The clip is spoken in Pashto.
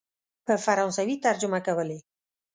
په فرانسوي ترجمه کولې.